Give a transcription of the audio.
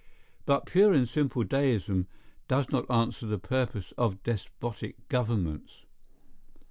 But pure and simple deism does not answer the purpose of despotic governments.